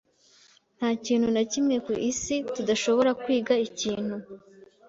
Nta kintu na kimwe ku isi tudashobora kwiga ikintu.